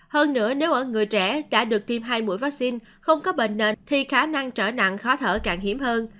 hơn nữa nếu ở người trẻ đã được tiêm hai mũi vaccine không có bệnh nền thì khả năng trở nặng khó thở càng hiếm hơn